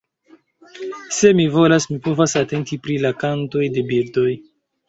Se mi volas, mi povas atenti pri la kantoj de birdoj.